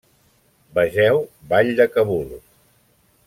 Vegeu Vall de Kabul.